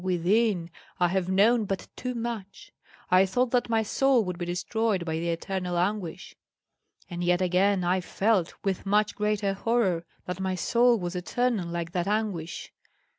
within, I have known but too much! I thought that my soul would be destroyed by the eternal anguish; and yet again I felt, with much greater horror, that my soul was eternal like that anguish.